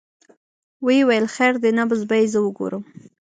ويې ويل خير دى نبض به يې زه وګورم.